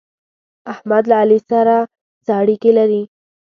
احمد له علي سره څه اړېکې لري؟